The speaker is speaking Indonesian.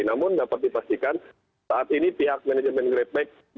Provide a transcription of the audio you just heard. namun dapat dipastikan saat ini pihak manajemen gradebag